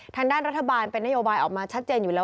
ทางด้านรัฐบาลเป็นนโยบายออกมาชัดเจนอยู่แล้ว